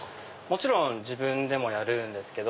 もちろん自分でもやるんですけど